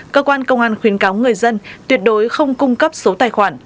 cơ quan công an khuyến cáo người dân tuyệt đối không cung cấp số tài khoản